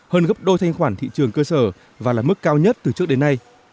hơn gấp đôi thanh khoản thị trường cơ sở và là mức cao nhất từ trước đến nay